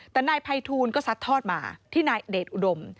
แต่นายภัยทูลก็ซัดทอดมาที่นายเดชอุดม